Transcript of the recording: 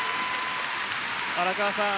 荒川さん。